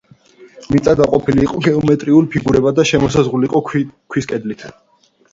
მიწა დაყოფილი იყო გეომეტრიულ ფიგურებად და შემოსაზღვრული იყო ქვის კედლით.